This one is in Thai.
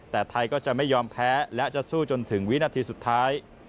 แต่ไทยก็จะไม่ยอมแพ้และจะสู้จนถึงวินาทีสุดท้าย